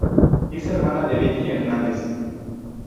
Es hermana de Berni Hernández.